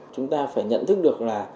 chúng ta phải nhận thức được là